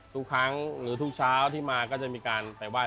ทุกครั้งหรือทุกเช้าที่มาก็จะมีการไปไห้